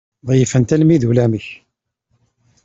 Ḍeyyfen-t armi d ulamek.